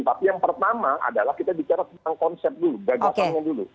tapi yang pertama adalah kita bicara tentang konsep dulu gagasannya dulu